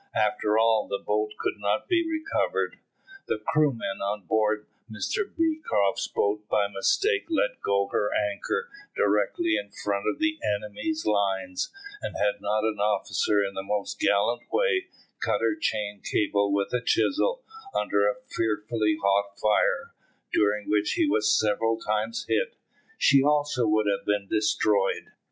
After all the boat could not be recovered. The Krooman on board Mr Beecroft's boat by mistake let go her anchor directly in front of the enemy's lines, and had not an officer, in the most gallant way, cut her chain cable with a chisel, under a fearfully hot fire, during which he was several times hit, she also would have been destroyed.